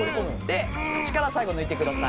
で力最後抜いてください。